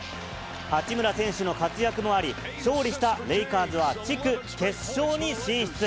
八村選手の活躍もあり、勝利したレイカーズは地区決勝に進出。